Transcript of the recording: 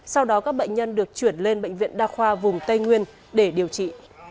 sau đó các bệnh nhân được chuyển lên bệnh viện đa khoa vùng tây nguyên để điều trị